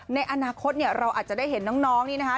ในอนาคตเนี่ยเราอาจจะได้เห็นน้องนี่นะคะ